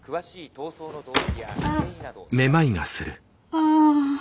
ああ。